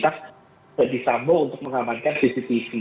mereka juga sudah melakukan perintah disambung untuk mengamankan cctv